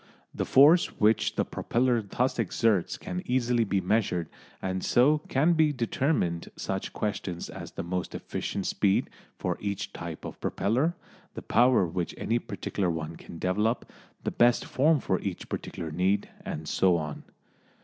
The force which the propeller thus exerts can easily be measured, and so can be determined such questions as the most efficient speed for each type of propeller, the power which any particular one can develop, the best form for each particular need, and so on.